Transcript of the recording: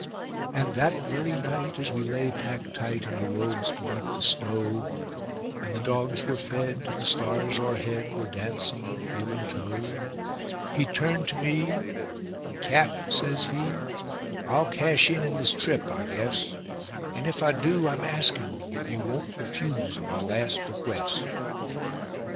And that very night, as we lay packed tight in our robes beneath the snow, And the dogs were fed, and the stars o'erhead were dancing heel and toe, He turned to me, and "Cap," says he, "I'll cash in this trip, I guess; And if I do, I'm asking that you won't refuse my last request."